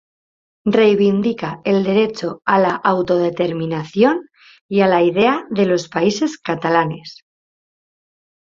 Reivindica el derecho a la autodeterminación y la idea de los Países Catalanes.